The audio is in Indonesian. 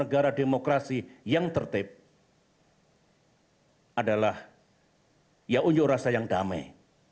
negara demokrasi yang tertib adalah ya unjuk rasa yang damai